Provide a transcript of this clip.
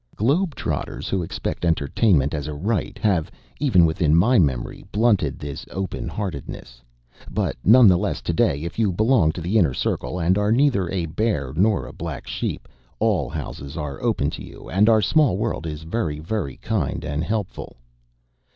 Globe trotters who expect entertainment as a right, have, even within my memory, blunted this open heartedness, but none the less to day, if you belong to the Inner Circle and are neither a Bear nor a Black Sheep, all houses are open to you, and our small world is very, very kind and helpful.